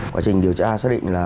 quá trình điều tra xác định là